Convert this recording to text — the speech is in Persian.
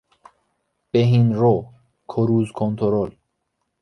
بهین رو، کروز کنترل